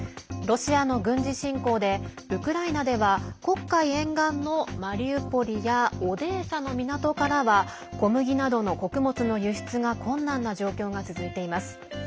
ロシアの軍事侵攻でウクライナでは黒海沿岸のマリウポリやオデーサの港からは小麦などの穀物の輸出が困難な状況が続いています。